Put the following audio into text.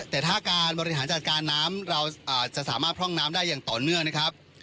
แต่ถ้าการบริหารจัดการน้ำเราจะสามารถพร่องน้ำได้อย่างต่อเนื่องนะครับ